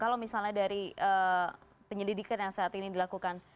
kalau misalnya dari penyelidikan yang saat ini dilakukan